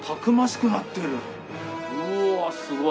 うわーすごい！